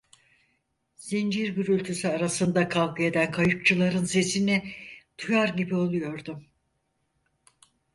Zincir gürültüsü arasında kavga eden kayıkçıların sesini duyar gibi oluyordum.